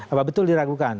apa betul diragukan